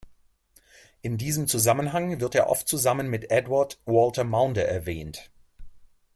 In diesem Zusammenhang wird er oft zusammen mit Edward Walter Maunder erwähnt.